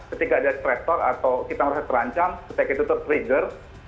ketika ada stresor atau kita merasa terancam ketika itu tertrigger